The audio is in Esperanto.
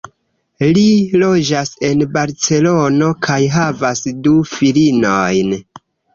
Li loĝas en Barcelono kaj havas du filinojn.